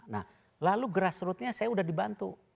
nah lalu grassrootnya saya sudah dibantu